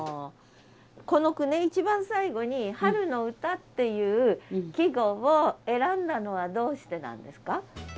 この句ね一番最後に「春の詩」っていう季語を選んだのはどうしてなんですか？